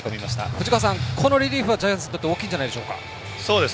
藤川さん、このリリーフはジャイアンツにとって大きいんじゃないでしょうか。